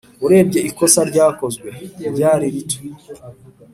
urebye ikosa ryakozwe. ryari rito